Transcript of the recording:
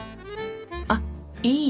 あっいい。